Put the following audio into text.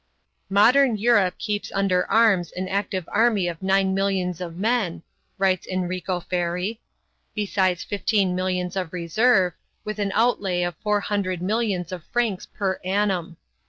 "Modern Europe keeps under arms an active army of nine millions of men," writes Enrico Ferri, "besides fifteen millions of reserve, with an outlay of four hundred millions of francs per annum.